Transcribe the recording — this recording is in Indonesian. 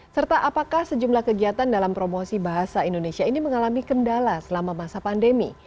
serta apakah sejumlah kegiatan dalam promosi bahasa indonesia ini mengalami kendala selama masa pandemi